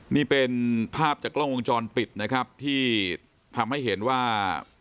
นี่เป็นภาพจากกล้องวงจรปิดนะครับที่ทำให้เห็นว่า